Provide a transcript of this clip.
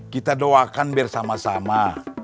kita doakan bersama sama